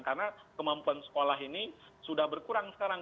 karena kemampuan sekolah ini sudah berkurang sekarang